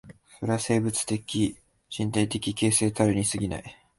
それは生物的身体的形成たるに過ぎない。